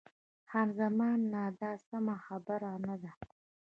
خان زمان: نه، دا سمه خبره نه ده.